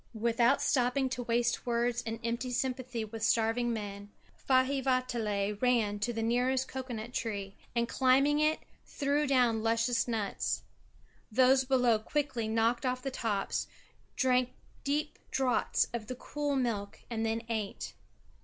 Without stopping to waste words in empty sympathy with starving men, Faivaatala ran to the nearest cocoa nut tree and, climbing it, threw down luscious nuts. Those below quickly knocked off the tops, drank deep draughts of the cool milk and then ate.